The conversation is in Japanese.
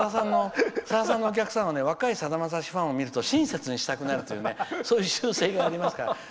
さださんのお客さんは若いさだまさしファンを見ると親切にしたくなるという習性がありますから。